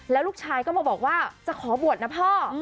แล้วลูกชายก็มาบอกว่าจะขอบวชนะพ่อ